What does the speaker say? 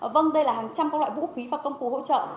vâng đây là hàng trăm các loại vũ khí và công cụ hỗ trợ